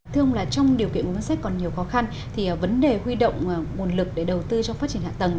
thưa ông là trong điều kiện nguồn ngân sách còn nhiều khó khăn thì vấn đề huy động nguồn lực để đầu tư cho phát triển hạ tầng